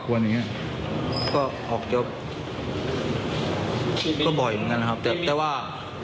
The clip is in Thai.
อย่างเงี้ยก็ออกจบก็บ่อยเหมือนกันนะครับแต่แต่ว่า